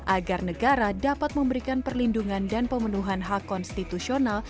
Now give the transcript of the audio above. agar negara dapat memberikan perlindungan dan pemenuhan hak konstitusional